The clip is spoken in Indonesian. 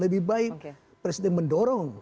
lebih baik presiden mendorong